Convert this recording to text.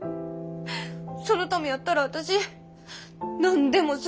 そのためやったら私何でもする。